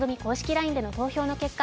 ＬＩＮＥでの投票の結果